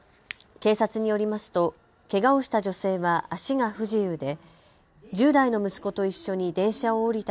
警察によりますとけがをした女性は足が不自由で１０代の息子と一緒に電車を降りた